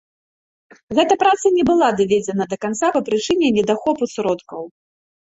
Гэта праца не была даведзена да канца па прычыне недахопу сродкаў.